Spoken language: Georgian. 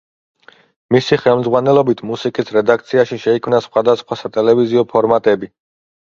მისი ხელმძღვანელობით მუსიკის რედაქციაში შეიქმნა სხვადასხვა სატელევიზიო ფორმატები.